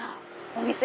お店。